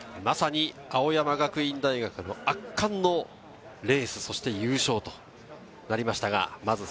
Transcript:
まさに青山学院大学の圧巻のレース、そして優勝となりました。